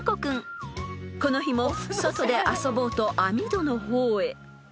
［この日も外で遊ぼうと網戸の方へ］